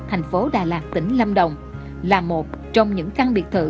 thành phố đà lạt tỉnh lâm đồng là một trong những căn biệt thự